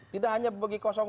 tidak hanya bagi dua